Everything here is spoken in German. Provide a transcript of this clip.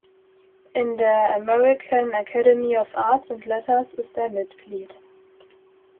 In der American Academy of Arts and Letters ist er Mitglied.